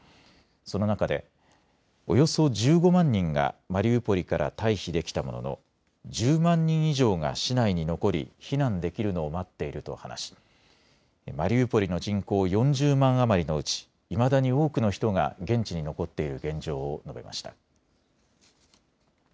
その中でおよそ１５万人がマリウポリから退避できたものの１０万人以上が市内に残り避難できるのを待っていると話しマリウポリの人口４０万余りのうち、いまだに多くの人が現地に残っている現状を述べました。